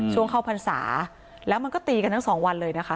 ช่วงเข้าพรรษาแล้วมันก็ตีกันทั้งสองวันเลยนะคะ